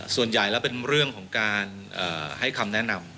ส่วนใหญ่แล้วเป็นเรื่องของการให้คำแนะนำ